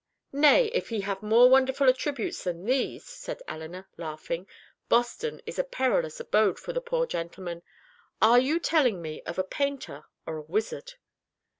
"Nay, if he have more wonderful attributes than these," said Elinor, laughing, "Boston is a perilous abode for the poor gentleman. Are you telling me of a painter, or a wizard?"